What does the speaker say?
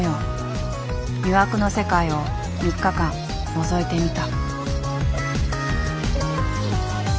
魅惑の世界を３日間のぞいてみた。